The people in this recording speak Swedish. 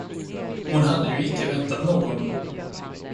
Hon hade ju icke väntat någon.